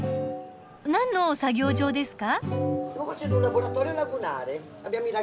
何の作業場ですか？